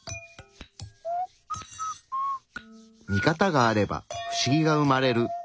ミカタがあればフシギが生まれる。